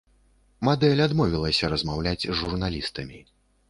Мадэль адмовілася размаўляць з журналістамі.